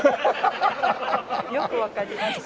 よくわかりましたね。